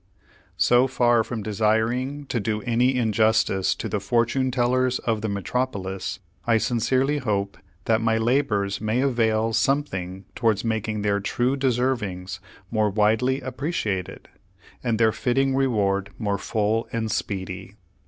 So far from desiring to do any injustice to the Fortune Tellers of the Metropolis, I sincerely hope that my labors may avail something towards making their true deservings more widely appreciated, and their fitting reward more full and speedy.